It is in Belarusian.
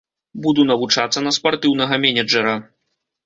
Буду навучацца на спартыўнага менеджэра.